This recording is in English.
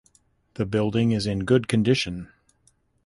The building is in good condition.